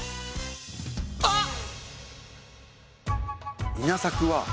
あっ！